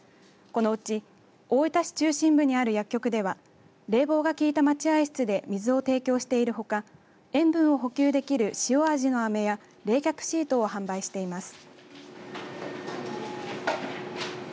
このうち大分市中心部にある薬局では冷房が効いた待合室で水を提供しているほか塩分を補給できる塩味のあめや冷却シートを販売しています。